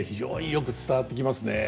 よく伝わってきますね。